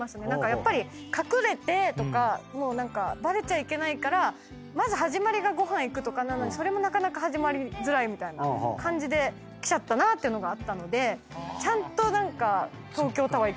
やっぱり隠れてとかバレちゃいけないから始まりがご飯行くとかなのにそれもなかなか始まりづらいみたいな感じできちゃったなっていうのがあったのでちゃんと東京タワー行くとかやりたいですね。